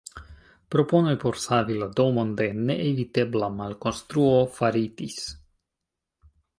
Proponoj por savi la domon de neevitebla malkonstruo faritis.